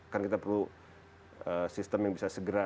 kan kita perlu sistem yang bisa segera